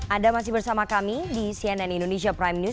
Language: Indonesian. anda masih bersama kami di cnn indonesia prime news